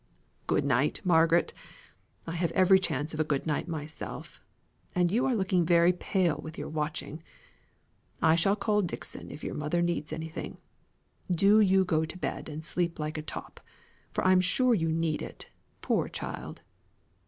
"Good night, Margaret. I have every chance of a good night myself, and you are looking very pale with your watching. I shall call Dixon if your mother needs anything. Do you go to bed and sleep like a top; for I'm sure you need it, poor child!"